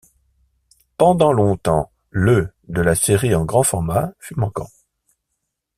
Pendant longtemps, le de la série en grand format fut manquant.